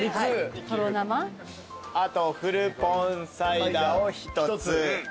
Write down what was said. あとフルポンサイダーを１つ。